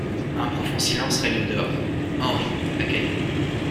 Un profond silence règne au dehors.) HENRI, à Cadio.